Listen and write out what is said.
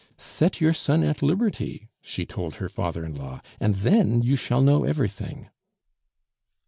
"Set your son at liberty," she told her father in law, "and then you shall know everything."